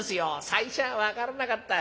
最初は分からなかった。